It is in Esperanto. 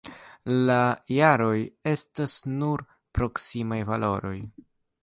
La jaroj estas nur proksimaj valoroj.